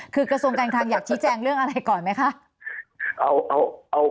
คือกระทรวงการคลังอยากชี้แจงเรื่องอะไรก่อนไหมคะ